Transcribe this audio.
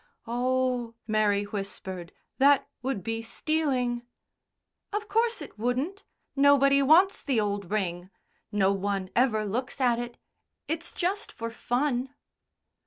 "Oh," Mary whispered, "that would be stealing." "Of course it wouldn't. Nobody wants the old ring. No one ever looks at it. It's just for fun."